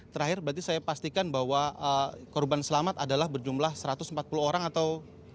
terakhir berarti saya pastikan bahwa korban selamat adalah berjumlah satu ratus empat puluh orang atau